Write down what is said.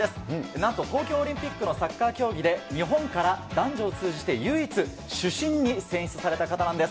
なんと、東京オリンピックのサッカー競技で、日本から男女を通じて唯一、主審に選出された方なんです。